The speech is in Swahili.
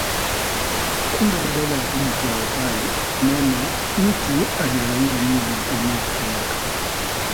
Kumbe badala ya kujitoa uhai, mama mtu alighairi nia na kuamua kutoweka